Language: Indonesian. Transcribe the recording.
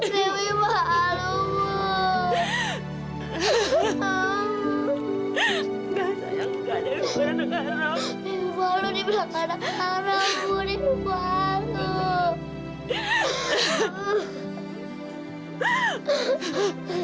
dewi malu dibilang anak haram bu dewi malu